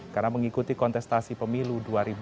karena mengikuti kontestasi pemilu dua ribu dua puluh empat